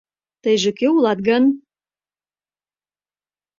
— Тыйже кӧ улат гын?